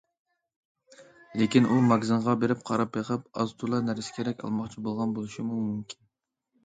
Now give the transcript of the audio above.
لېكىن ئۇ ماگىزىنغا بېرىپ قاراپ بېقىپ، ئاز- تولا نەرسە كېرەك ئالماقچى بولغان بولۇشىمۇ مۇمكىن.